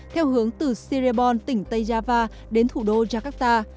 theo hướng từ sirebon tỉnh tây java đến thủ đô jakarta